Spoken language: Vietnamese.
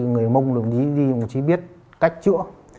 người mông đồng chí ghi đồng chí biết cách chữa